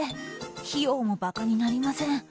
費用もばかになりません。